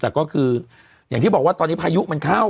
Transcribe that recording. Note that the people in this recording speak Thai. แต่ก็คืออย่างที่บอกว่าตอนนี้พายุมันเข้า